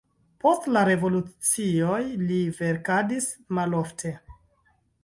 Post la revolucioj li verkadis malofte.